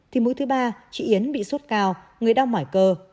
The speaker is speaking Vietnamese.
thì mũi thứ ba chị yến bị sốt cao người đau mỏi cơ